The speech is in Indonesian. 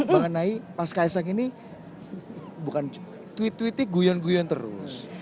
mengenai mas kaisang ini bukan tweet tweetnya guyon guyon terus